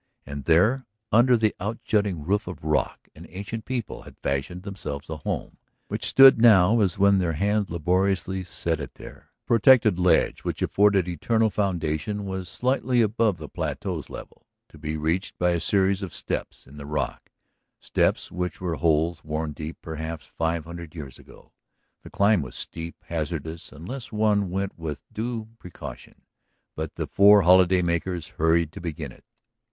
And there, under the out jutting roof of rock, an ancient people had fashioned themselves a home which stood now as when their hands laboriously set it there. The protected ledge which afforded eternal foundation was slightly above the plateau's level, to be reached by a series of "steps" in the rock, steps which were holes worn deep, perhaps five hundred years ago. The climb was steep, hazardous unless one went with due precaution, but the four holiday makers hurried to begin it.